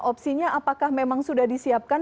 opsinya apakah memang sudah disiapkan